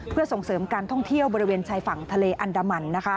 เพื่อส่งเสริมการท่องเที่ยวบริเวณชายฝั่งทะเลอันดามัน